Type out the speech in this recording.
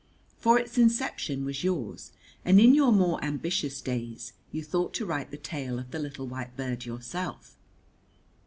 For its inception was yours, and in your more ambitious days you thought to write the tale of the little white bird yourself.